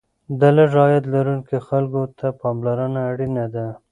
د لږ عاید لرونکو خلکو ته پاملرنه اړینه ده.